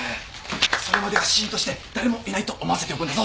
それまではシーンとして誰もいないと思わせておくんだぞ。